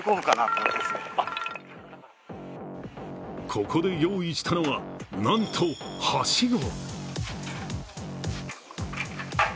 ここで用意したのは、なんと、はしご。